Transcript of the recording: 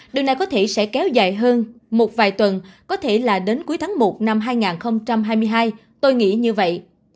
điều này có thể sẽ kéo dài hơn một vài tuần có thể là đến cuối tháng một năm hai nghìn hai mươi hai tôi nghĩ như vậy